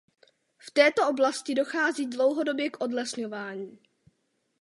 V této oblasti dochází dlouhodobě k odlesňování.